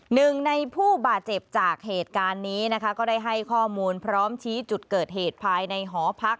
หนึ่งในผู้บาดเจ็บจากเหตุการณ์นี้นะคะก็ได้ให้ข้อมูลพร้อมชี้จุดเกิดเหตุภายในหอพัก